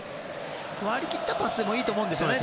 割り切ったパスでもいいと思いますね。